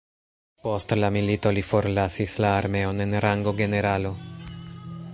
Post la milito li forlasis la armeon en rango generalo.